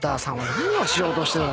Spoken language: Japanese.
何をしようとしてたんだよ。